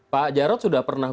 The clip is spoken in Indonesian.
pak jarod sudah pernah